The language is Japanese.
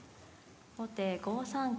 後手５三桂。